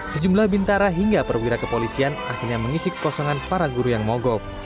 sejumlah bintara hingga perwira kepolisian akhirnya mengisi kekosongan para guru yang mogok